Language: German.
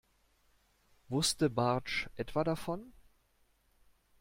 Wusste Bartsch etwa davon?